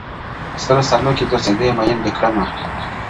په سره سالو کي ګرځېدې مین دي کړمه!!